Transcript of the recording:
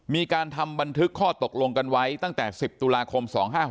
มีการทำบันทึกข้อตกลงกันไว้ตั้งแต่๑๐ตุลาคม๒๕๖๖